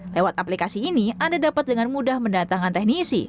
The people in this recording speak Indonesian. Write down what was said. lewat aplikasi ini anda dapat dengan mudah mendatangkan teknisi